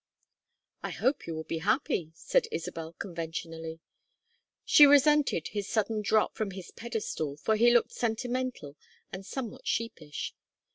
"I hope you will be happy," said Isabel, conventionally. She resented his sudden drop from his pedestal, for he looked sentimental and somewhat sheepish.